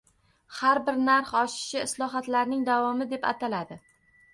Har bir narx oshishi islohotlarning davomi deb ataladi